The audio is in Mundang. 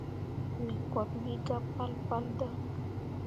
Me koot wi gah pal daŋ.